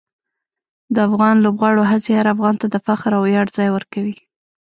د افغان لوبغاړو هڅې هر افغان ته د فخر او ویاړ ځای ورکوي.